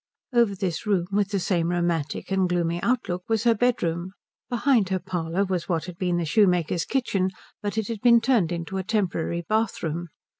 Over this room, with the same romantic and gloomy outlook, was her bedroom. Behind her parlour was what had been the shoemaker's kitchen, but it had been turned into a temporary bathroom.